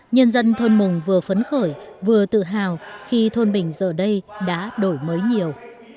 nhân dân thôn mùng vừa phấn khởi vừa tự hào khi thôn bình giờ đây đã đổi mới nhiều